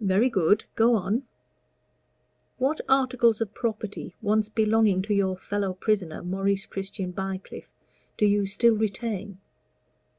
"Very good. Go on." "What articles of property once belonging to your fellow prisoner, Maurice Christian Bycliffe, do you still retain?"